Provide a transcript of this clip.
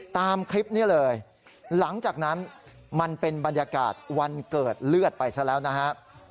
ตามคลิปนี้เลยหลังจากนั้นมันเป็นบรรยากาศวันเกิดเลือดไปซะแล้วนะฮะ